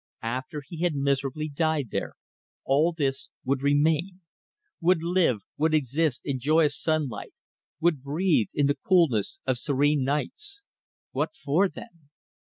After he had miserably died there, all this would remain, would live, would exist in joyous sunlight, would breathe in the coolness of serene nights. What for, then?